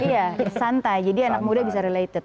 iya santai jadi anak muda bisa related